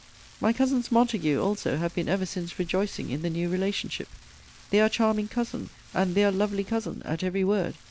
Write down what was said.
My cousins Montague also have been ever since rejoicing in the new relationship. Their charming cousin, and their lovely cousin, at every word!